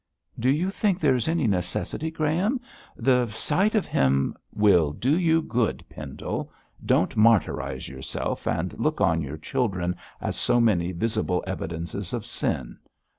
'Do you think there is any necessity, Graham? The sight of him ' 'Will do you good, Pendle. Don't martyrise yourself and look on your children as so many visible evidences of sin.